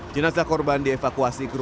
saya kan pelan tahu